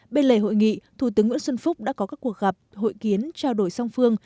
bên lề hội nghị thủ tướng nguyễn xuân phúc đã có các cuộc gặp hội kiến trao đổi song phương